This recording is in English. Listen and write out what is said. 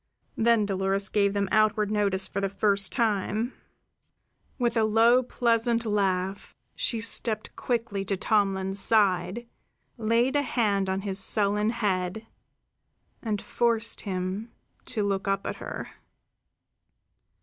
Then Dolores gave them outward notice for the first time. With a low, pleasant laugh, she stepped quickly to Tomlin's side, laid a hand on his sullen head, and forced him to look up at her.